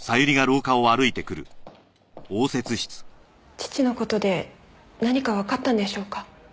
父の事で何かわかったんでしょうか？